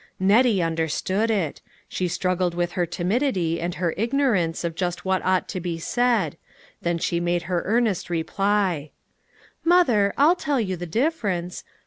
Nettie understood it. She struggled with her timidity and her ignorance of just what ought to be said ; then she made her earnest reply :" Mother, I'll tell you the difference.